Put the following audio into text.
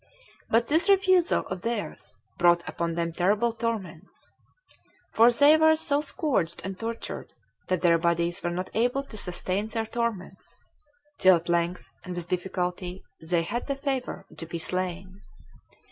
But this refusal of theirs brought upon them terrible torments; for they were so scourged and tortured, that their bodies were not able to sustain their torments, till at length, and with difficulty, they had the favor to be slain.